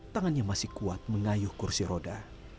tangannya masih kuat mengayuh kursi roda